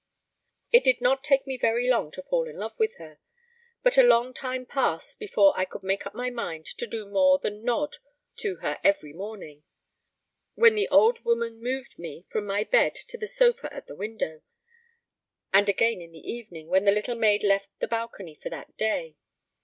It did not take me very long to fall in love with her, but a long time passed before I could make up my mind to do more than nod to her every morning, when the old woman moved me from my bed to the sofa at the window, and again in the evening, when the little maid left the balcony for that day.